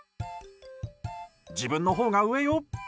自分のほうが上よ！